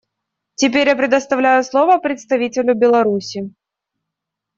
Теперь я предоставляю слово представителю Беларуси.